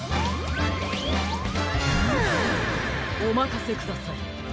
おまかせください